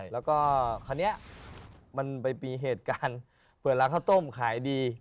แล้วก็คราวนี้มันไปมีเหตุการณ์เปิดร้านข้าวต้มขายดี